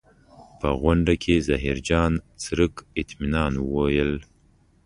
په غونډه کې ظاهرجان څرک اطمنان وویل.